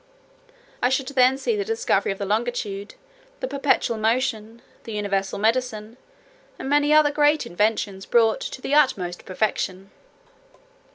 I should then see the discovery of the longitude, the perpetual motion, the universal medicine, and many other great inventions, brought to the utmost perfection.